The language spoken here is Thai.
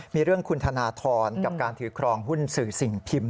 มีเรื่องคุณธนทรกับการถือครองหุ้นสื่อสิ่งพิมพ์